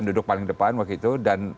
duduk paling depan waktu itu dan